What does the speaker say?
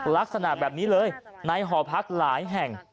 ลักษณะแบบนี้เลยในหอพักหลายแห่ง